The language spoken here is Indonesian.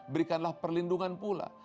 berikanlah perlindungan pula